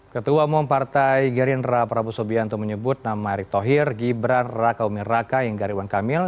ketua umum partai gerindra prabowo sobian untuk menyebut nama erick thohir gibran raka umir raka inggar iwan kamil